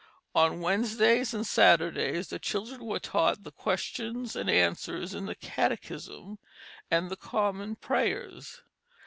On Wednesdays and Saturdays the children were taught the questions and answers in the catechism and the common prayers.